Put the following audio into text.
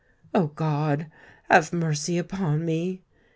"O God, have mercy upon me!"